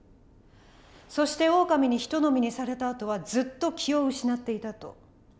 そしてオオカミにひと呑みにされたあとはずっと気を失っていたとそう言ってましたね？